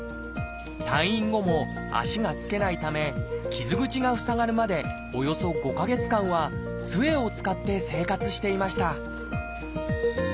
退院後も足がつけないため傷口が塞がるまでおよそ５か月間はつえを使って生活していました